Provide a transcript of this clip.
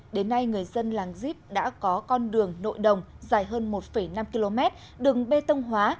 đến nay người dân làng zip đã có con đường nội đồng dài hơn một năm km đường bê tông hóa